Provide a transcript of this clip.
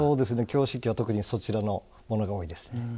京漆器は特にそちらのものが多いです。